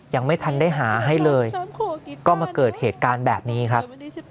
ยังไม่ทันได้หาให้เลยก็มาเกิดเหตุการณ์แบบนี้ครับ